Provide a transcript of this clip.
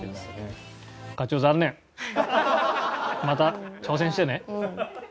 また挑戦してね。